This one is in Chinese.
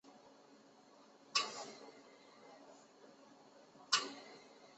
可是赫华勒没有把诅咒放在心上。